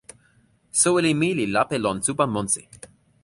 soweli mi li lape lon supa monsi.